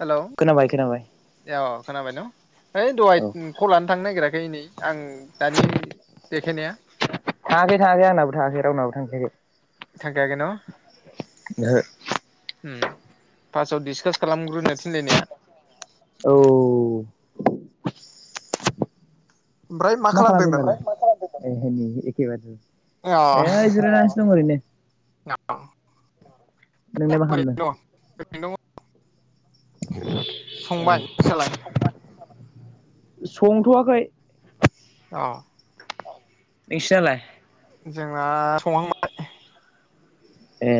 Hello खोनाबाय खोनाबाय अ खोनाबाय न है दहाय औ कल लानो थांनो नागिराखै नै आं दानि बेखिनिया थांङाखै थांङाखैंनाबो थांङाखै रावनाबो थांङाखै थांखायाखै न? उम फार्सआव डिसकास खालामग्रोनो थिनलायनाया औ ओमफ्राय मा खालामदों दालाय? [unintelligible] अ ए जिरायनासो दं ओरैनो नोंलाय मा खालामदों? ओरैनो दं [unintelligible] औ संबाय नों सालाय? संथवाखै अ नोंसिनालाय? जोंना संहांबाय ए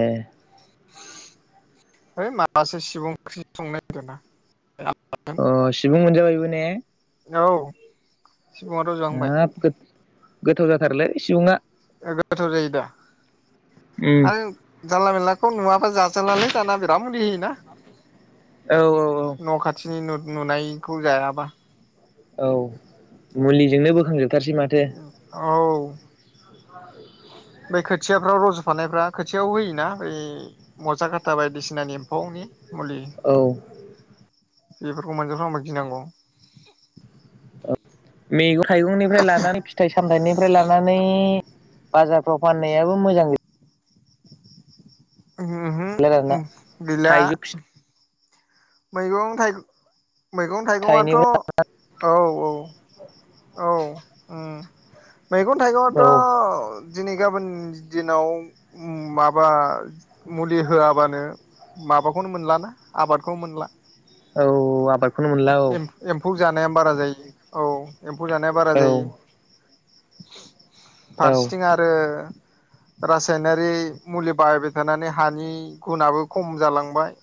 ओइ माबासे सिबं ओंख्रि संनाय होनदों ना अ सिबुं मोनजाबायमोन ने औ सिबुङा रजहांबाय ओम गो गोथाव जाथारलै सिबुं आ गोथाव जायो दा उम आरो जानला मानलाखौ नुवाबा जाजालालै दाना बिराद मुलि होयोना औ न' खाथिनि न नुनायखौ जायाबा औ मुलिजोंनो बोखांजोबो माथो औ बै [inaudible] खोथियाफ्राव रज'फानायफ्रा खोथियायाव होयोना बै मजा खाथा बायदिसिनानि एम्फौनि मुलि औ बेफोरखौ मोनजाफ्लांबा गिनांगौ मेगं थाइगंनिफ्राय लानानै फिथाइ सामथाइनिफ्राय लानानै बाजारफ्राव फाननायाबो मोजां गै ओहो गैला आरो ना गैला थाइजौ फि मैगं थाइगं मैगं थाइगं आथ' फिथाइनिफ्राय औ औ ओ मैगं औ थाइगङाथ' दिनै गाबोन दिनाव माबा मुलि होआबानो माबाखौनो मोनलाना आबादखौनो मोनला औ आबादखौनो मोनला औ एम्फौ जानाया बारा जायो औ एम्फौ जानाया बारा औ जायो औ फारसेथिं आरो रासायनारि मुलि बाहायबाय थानानै हानि गुनाबो खम जालांबाय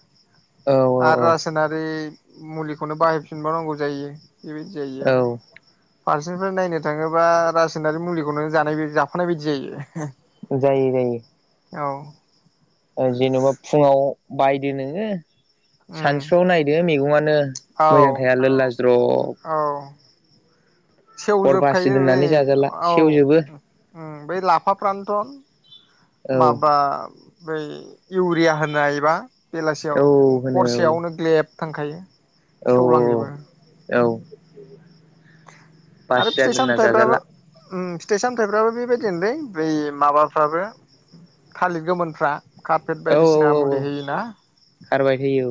औ औ आरो रासनारि मुलिखौनो बाहायफिनबावनांगौ जायो इबायदि जायो औ आरो फारसेनिफ्राय नायनो थाङोब्ला रासायनारि मुलिखौनो जानाय जाफानाय बायदि जायो जायो जायो औ जेन'बा फुङाव बायदो नोङो उम सानसुआव नायदो मैगङानो मोजां थाया लोल्ला ज्र ब हर बासि सेवजोबखायो बे दोननानै जाजाला औ सेवजोबो बे लाफा फ्रान्थ' औ माबा बै इउरिया होनाय बा बेलासियाव औ होनो औ हरसेयावनो ग्लेब थांखायो औ सेवलांजोबो बास आरो फिथाइ जागोनना सामथाइफ्राबो जाजाला उम फिथाइ सामथायाइफ्राबो बेबायदिनोलै बै माबाफ्राबो थालिर गोमोनफ्रा कारपेट औ बायदिसिना औ औ मुलि होयो ना खारबाय थैयो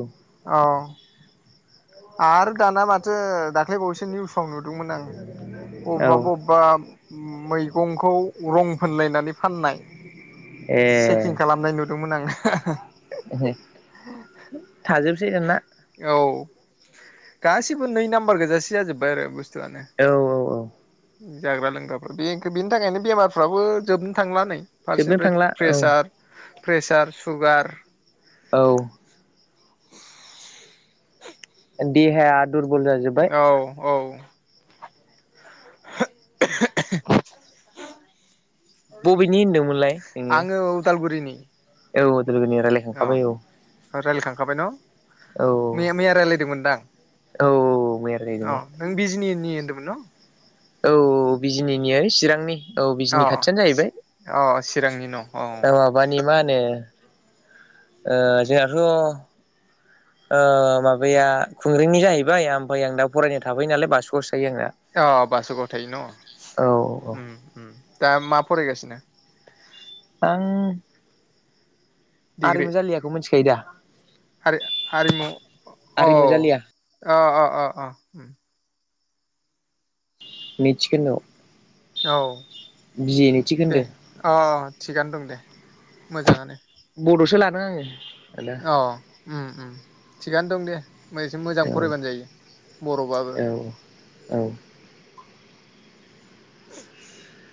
औ आरो दाना माथो दाखाय बावैसो निउस [inaudible] नुदोंमोन आं औ औ बबेबा बबेबा मैगंखौ रं फोनलायनानै फाननाय ए चेकिं खालामनाय नुदोंमोन आङो हा ह थाजोब जसेगोना औ गासिबो नै नाम्बार गोजासे जाजोबबाय आरो बस् बसतुआनो औ औ जाग्रा लोंग्राफ्रा बे बेनि थाखायनो बेमारफ्राबो जोबनो थांला नै जोबनो फारसेनिफ्राय थांला औ प्रेसार प्रेसार सुगार औ देहाया दुरबल जाजोब्बाय औ औ [unintelligible] [inaudible] बबेनि होनदोंमोनलाय? नोङो आङो उदालगुरिनि। [inaudible] औ लोगोनि अ रायज्लायखांखाबाय औ रायलायखांखाबाय न' औ मैया मैया राय्लायदोंमोनदां औ मैया औ रायलायदोंमोन नों बिजनि [unintelligible] औ बिजिनिनि चिरांनि औ अ बिजनि खाथियानो जाहैबाय अ चिरांनि न' अ माबानि मा होनो। ओ जोंहथ' ओह माबाया खुंग्रिनि जाहैबाय ओमफाय आं दा फरायनो थाफैयो नालाय बासुगाव सि अह बासुगाव थायोन औ औ उम उम। दा मा फरायगासिनो? आं डिग्रि आरिमु जालियाखौ मिथिखायो दा हारि हारिमु आरिमु जालिया अह अह अह अह अह [unintelligible] औ बिए नैथि दे खोन्दो अह थिगानो दंदे। मोजांआनो बड'सो लादों आङो। आदा अह उम-उम थिगानो दंदे। [unintelligible] एसे मोजां औ फरायबानो जायो बर'बाबो। औ औ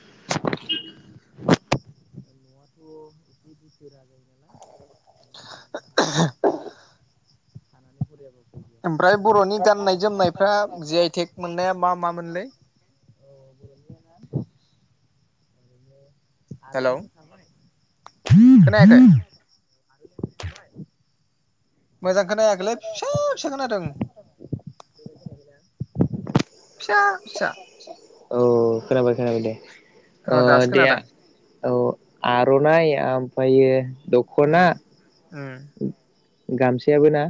[inaudible] न'आथ एसे बिथोरा जायोनालाय। [unintelligible] थानानै फरायाबाबो। ओमफ्राय बरनि गाननाय जोमनायफ्रा जि आइ थेक मोननाया मा मामोनलै? [unintelligible] हेलौ आरोनो खोनायाखै [inaudible] [unintelligible] मोजां खोनायाखैलै फिसा फिसा खोनादों। फिसा फिसा। औ खोनाबाय खोनाबायदे। अ ओह दासो देआ खोनादों औ। आरनाय ओमफायो। दखना। उम उम गामसायाबोना।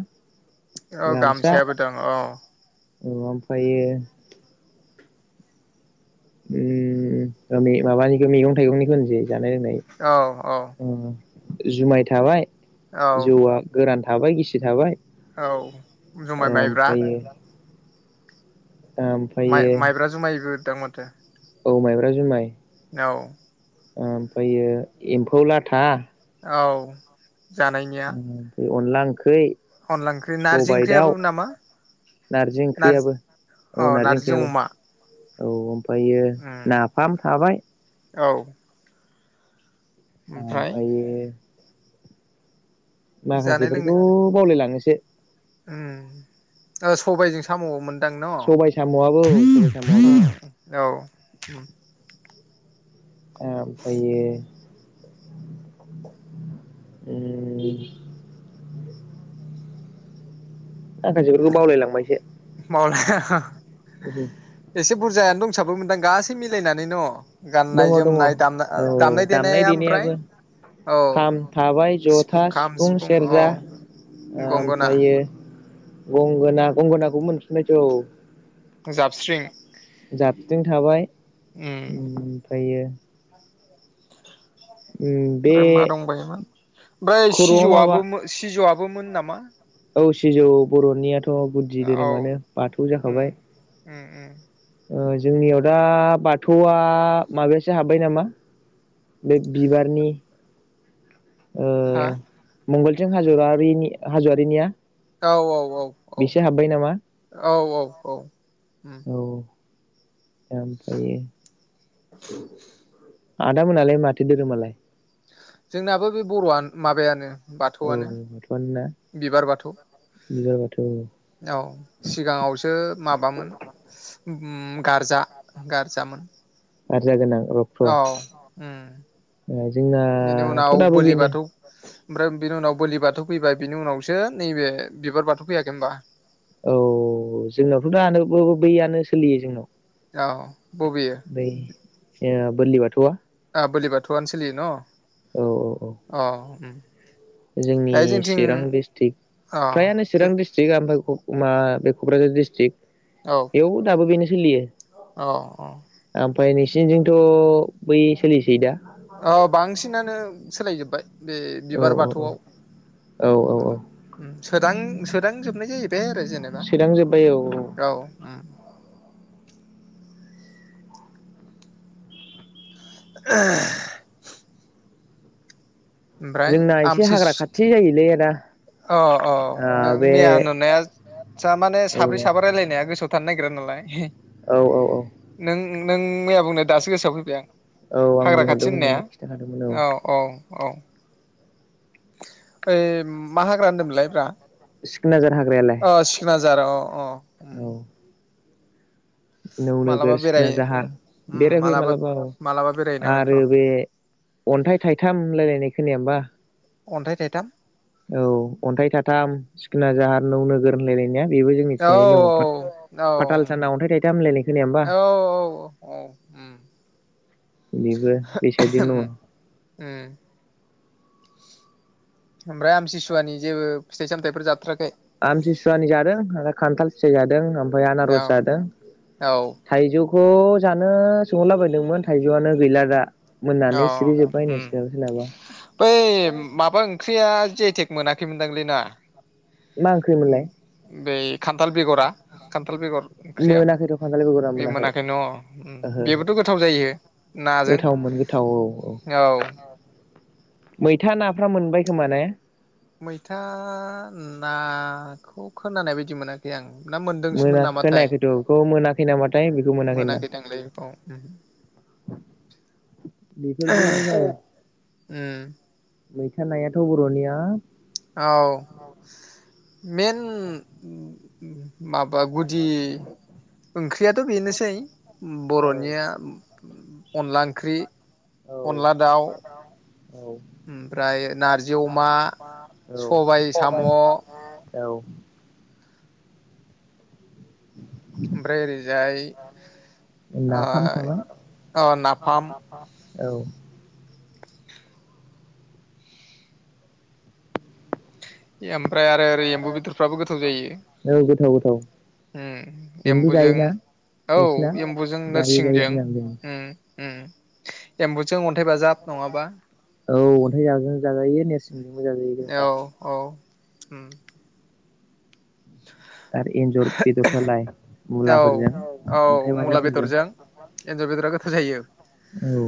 औ गामसायाबोदं औ। औ ओमफ्रायो। उम माने माबानिखो मेगं थाइगंनिखो होननोसै। जानाय लोंनाय औ औ उम। जुमाय थाबाय। औ जौ आ गोरान। थाबाय गिसि थाबाय औ जुमाइ माइब्रा माइ ओमफायो माइब्रा जुमायबो दों माथो। औ माइब्रा जुमाय। औ। ओमफ्रायो एम्फौ लाथा, औ। जानायनिया। ओमफ्राय अनला ओंख्रै, अनला ओंख्रि, नारजि ओंख्रियाबो नामा? नारजि नार्जि ओंख्रियाबो औ नारजि नार्जिजों ओंख्रियाबो अमा। औ औ। ओमफ्रायो उम नाफाम थाबाय औ। ओमफ्राय ओमफायो जानाय माखासेफोरखौ लोंनाय बावलायलाङोसो। [unintelligible] उम, ओ सबायजों साम' मोन सबाय साम'आबो [unintelligible] उम। ओमफ्रायो उम माखासेफोरखौ बावलायलांबायसो। [inaudible] एसे [inaudible] बुरजायानो दंसाबो मोनदां गासै मिलायनानै न'? दङ गाननाय दङ औ जोमनाय दामना दामनाय देनाया ओमफ्राय देनायाबो औ खाम थाबाय जथा सिफुं सेरजा ओ गंगोना ओमफ्रायो गंगोना गंगोनाखौ मोनफिनबायथ' औ। जाबस्रिं जाबस्रिं थाबाय उम उम फायो बे ओमफ्राय मा दंबायोमोन? ओमफ्राय खर'आव माबा सिजौआबो मो सिजौआ बोमोन नामा? औ सिजौ बर'नियाथ' अ गुदि धोरोमानो बाथौ जाखाबाय। ओ ओ ओ जोंनियाव दा बाथौआ माबायासो हाब्बाय नामा बे बिबारनि हा? मंगलसिं हाज'वारिनि हाज'वारिनिया औ औ औ औ बेसो हाब्बाय नामा औ औ औ हम ओफ्रायो आदामोनालाय माथो दोरोमालाय? जोंनाबो बे बर'आनो माबायानो। औ बाथौआनो बाथौआनोना बिबार बाथौ। [unintelligible] औ सिगाङावसो माबामोन ओ गारजा गारजामोन जारजा गोनां रक्त' औ ओ बेनि जोंनाथ' उनाव दाबो बोलि बेनो बाथौ ओमफ्राय बिनि उनाव बोलि बाथौ फैबाय बिनि उनावसो नैबे बिबार बाथौ फैयाखै होनोमबा? औ जोंनावथ'दानो बैयानो सोलियो जों औ बबेयो? ओ बोरलि बाथौआ? ओ बोलि बाथौआनो सोलियो न'? औ औ अ ओम। जोंनि चिरां दिडिस्ट्रिक अ फ्रायानो चिरां दिडस्ट्रिकआ ओमफ्राय ओमबा बे क'क्राझार दिडिस्ट्रिक्ट औ बेयाव दाबो बेनोसै सोलियो। औ औ। ओमफ्राय नोंसोरनिजोंथ' बै सोलिसै दा? अ बांसिनानो सोलायजोबबाय बे औ बिबार बाथौआव ओ औ औ औ औ सोदां- सोदांजोबनाय जायो। बे आरो जेनेबा सोदां जोब्बाय औ औ ओम। [unintelligible] ओमफ्राय जोंना एसे आमथि हाग्रा खाथि जायोलै [unintelligible] [unintelligible] अ अ ओ नों बे मैया नुनाया जा माने औ साब्रै साबा रायलायनाया गोसोआव थानो नागिरा नालाय [unintelligible] औ औ नों नों मैया बुंनो दासो गोसोआव फैबाय आं। औ आं हाग्रा खाथि बुंहरदोंमोन होननाया नोंनो खिन्थाखादोंमोन औ। औ। ओइ मा हाग्रा होनदोंमोनलाय ब्रा सिखनाद्मार। हाग्रायालाय अ [unintelligible] अ अ। उम औ नौ मालाबा नोगोर बेराय सिखोना जाद्मार बेरायफैयो मालाबा मालाबा बेरायहैनांगोन र' आरो बे अन्थाइ थाइथाम होनलायलायनाय खोनाया होमबा? अन्थाय थायथाम औ अन्थाइ थाइथाम सिखोनाद्मार नौ नोगोर होनलायलायनाया। बेबो औ जोंनिथिंजायनो दङ औ फाथा-फाथाल साना अन्थाइ थाइथाम हामलायनाय खोनाया होमबा औ औ उम बेबो बे साइडजों दङ। उम उम ओमफ्राय आमतसुवानि जेबो फिथाइ -सामथायफोर जाथाराखै? आमतसुवानि जादों आरो खान्थाल फिथाइ जादों। ओमफ्राय औ आनारस जादों औ थाइजौ [unintelligible] जानो सोंहरला बदोंमोन थाइजौआनो गैला दा। अ मोननानै सिरि जोब्बाय नो उम सोरनाबा सोरनाबा बै माबा ओंख्रिया जि आइ टेग मोनाखैमोनदांलै ना मा ओंख्रिमोनलाय बेै खान्थाल बेगरा खथाल बेगर ओंख्रिया मोनाखैथ' खान्थाल बेगरा बे मोनाखै न' ओहो ओहो बेबोथ' गोथाव जायो नाजों गोथावमोन गोथाव औ औ मैथा नाफ्रा मोनबाय खोमा ने? मैथा नाखौ खोनानाय बायदि मोनाखै आं ना मोनदोंसोमोन मोना नामाथाय खोनायाखैथ' बेखौ मोनाखै नामाथाय बेखौ मोनाखै नंदां। दांलै बेखौ उम बेफोरबो जाया मैथा नायाथ' बर'निया औ मेन [unintelligible] माबा गुदि ओंख्रियाथ' बेनोसै औ बर'निया अनला ओंख्रि औ अनला दाउ औ ओमफ्राय ओफ्राय नारजि अमा नाथामबा औ साम' सबाय ओमफ्राय बिमा औ ओमफ्राय ओरैजाय नाफाम थाबाय ओ ओ नाफाम औ [inaudible] ओमफ्राय आरो ओरै एम्बु बेदरफ्राबो गोथाव जायो गोथाव गोथाव उम बेनोबो एम्बुजों जायोना औ नोंसिना एम्बुजों जायै जायै नोरसिंजों दिनां जों उम [unintelligible] अन्थाइ औ बाजाब नङाबा अन्थाइ बाजाबजोंबो जाजायो नेर औ [unintelligible] औ उम आरो एन्जर बेदरफ्रालाय औ मुलाफोरजों औ अन्थाइ मुला बाजाफोरजों बेदरजों एन्जर बेदरा गोथाव जायो औ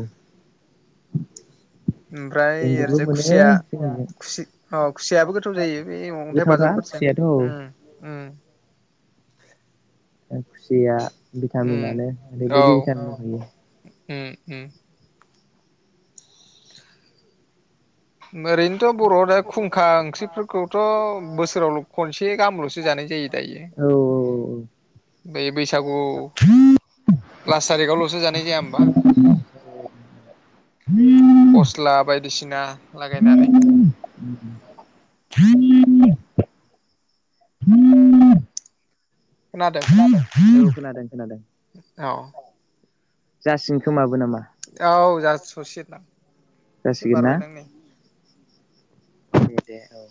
ओमफ्राय एन्जरबो ओरैजाय खुसिया मोनोलै जोंनिजों खुसि अ' खुसियाबो गोथाव जायो बे अन्थाइ गोथावथार बाजाबफोरजों खुसियाथ' औ उम उम खुसिया उम भिटामिनानो औ ओरैबायदि भिटामिन होयो उम उम ओरैनोथ' बर'आव दा खुंखा ओंख्रिफोरखौथ' बोसोराव' खनसे गाहामल'सो जानाय जायो दायो औ औ बे बैसागु लास थारिखआवल'सो जानाय जाया होमबा फ'स्ला बायदिसिना लागायनानै खोनादों औ खोनादों खोनादों औ जासिगोन खोमा औ जास' स'से एसे जासिगोन ना? बारबायदां नै दे दे औ